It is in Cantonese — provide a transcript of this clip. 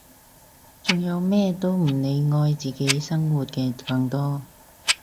仲有咩都唔理愛自己生活嘅更多！